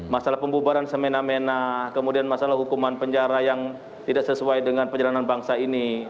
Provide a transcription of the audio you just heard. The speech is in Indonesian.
masalah pembubaran semena mena kemudian masalah hukuman penjara yang tidak sesuai dengan perjalanan bangsa ini